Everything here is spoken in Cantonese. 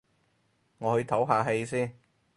我去唞下氣先